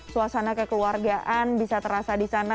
suasana kekeluargaan bisa terasa di sana